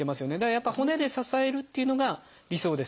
やっぱ骨で支えるっていうのが理想です。